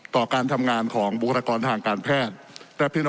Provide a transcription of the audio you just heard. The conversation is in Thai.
การทำงานของบุคลากรทางการแพทย์